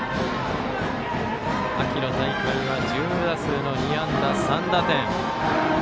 秋の大会は１０打数の２安打、３打点。